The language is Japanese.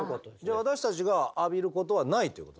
私たちが浴びることはないということですね？